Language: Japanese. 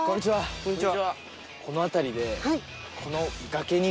こんにちは。